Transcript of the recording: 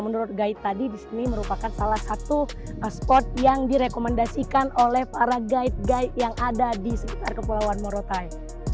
menurut guide tadi di sini merupakan salah satu spot yang direkomendasikan oleh para guide guide yang ada di sekitar kepulauan morotai